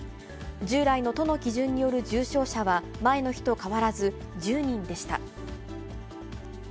従来の都の基準による重症者は、前の日と変わらず１０人でした。